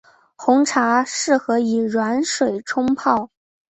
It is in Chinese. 红茶适合以软水冲泡。